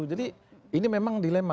jadi ini memang dilema